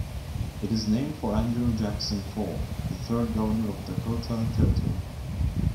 It is named for Andrew Jackson Faulk, the third Governor of Dakota Territory.